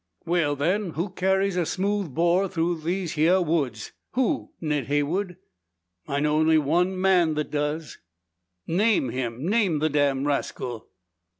"Well, then, who carries a smooth bore through these hyar woods? Who, Ned Heywood?" "I know only one man that does." "Name him! Name the damned rascal!"